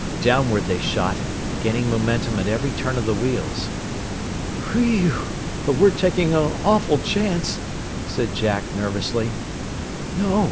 Downward they shot, gaining momentum at every turn of the wheels. "Whe ew! But we're taking an awful chance," said Jack, nervously. "No.